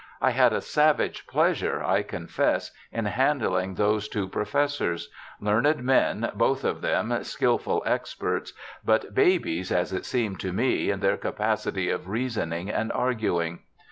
I had a savage pleasure, I confess, in handling those two professors — learned men both of them, skilful experts, but babies, as it seemed to me, in their capacity of reasoning and arguing.